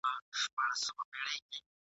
هسي نه چي یې خیرن ښکلي کالي سي !.